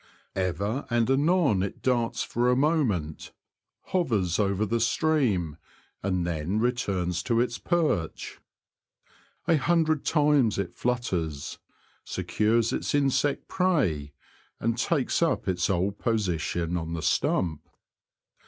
Ever and anon it darts for a moment, hovers over the stream, and then returns to its perch. A hundred times it flutters, secures its insect prey, and takes up its old position on the stump.